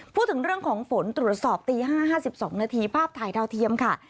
พูดถึงเรื่องของฝนตรวจสอบตี๕๕๒นาทีภาพถ่ายดาวเทียมค่ะ